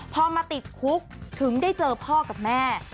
พอมาติดคุกถึงได้เจอพ่อกับแม่